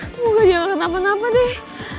semoga dia gak kenapa napa deh